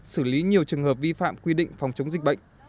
xử lý nhiều trường hợp vi phạm quy định phòng chống dịch bệnh